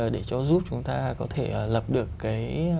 để cho giúp chúng ta có thể lập được cái